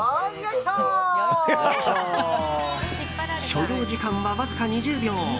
所要時間は、わずか２０秒。